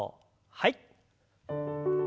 はい。